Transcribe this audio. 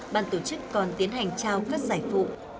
ban tổ chức còn tiến hành trao các giải phụ